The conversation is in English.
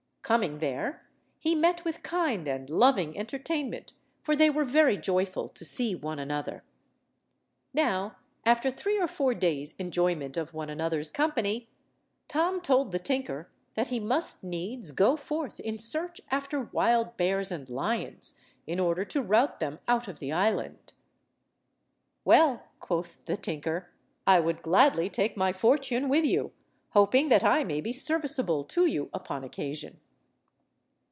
Coming there, he met with kind and loving entertainment, for they were very joyful to see one another. Now, after three or four days' enjoyment of one another's company, Tom told the tinker that he must needs go forth in search after wild bears and lions, in order to rout them out of the island. "Well," quoth the tinker, "I would gladly take my fortune with you, hoping that I may be serviceable to you upon occasion."